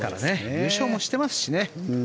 優勝もしてますしね。